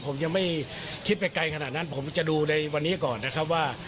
ผมยังไม่คิดไปไกลขนาดนั้นผมจะดูในวันนี้ก่อนนะครับว่า